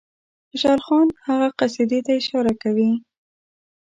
خوشحال خان هغه قصیدې ته اشاره کوي.